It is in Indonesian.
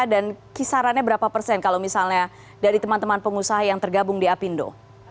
dan kisarannya berapa persen kalau misalnya dari teman teman pengusaha yang tergabung di apindo